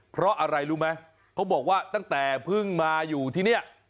เพราะอะไรรู้ไหมเขาบอกว่าตั้งแต่เพิ่งมาอยู่ที่นี่